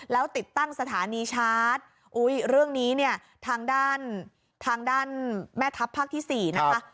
แล้วติดตั้งสถานีชาร์จอุ้ยเรื่องนี้เนี่ยทางด้านทางด้านแม่ทัพภาคที่๔นะคะ